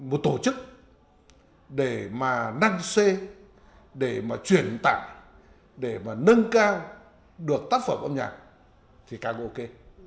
một tổ chức để mà năng xê để mà truyền tảng để mà nâng cao được tác phẩm âm nhạc thì càng ok